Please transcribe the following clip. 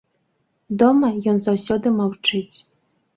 Дома ён заўсёды маўчыць.